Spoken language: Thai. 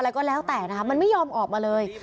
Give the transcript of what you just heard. ก็แล้วแต่นะคะมันไม่ยอมออกมาเลย